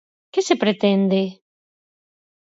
¿Que se pretende?